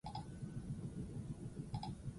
Pablo Sarasate iruindar biolin-joleari eskainia dago.